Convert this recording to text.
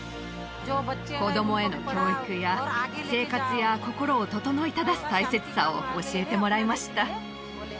子供への教育や生活や心を整いただす大切さを教えてもらいました